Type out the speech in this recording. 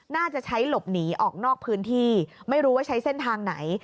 น่าจะใช้หลบหนีออกนอกพื้นที่ไม่รู้ว่าใช้เส้นทางไหน